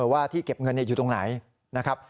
ว่าที่เก็บเงินอยู่ตรงไหนนะครับ